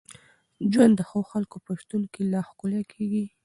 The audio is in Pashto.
ژوند د ښو خلکو په شتون کي لا ښکلی کېږي.